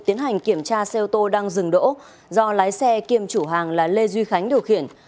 tiến hành kiểm tra xe ô tô đang dừng đỗ do lái xe kiêm chủ hàng là lê duy khánh điều khiển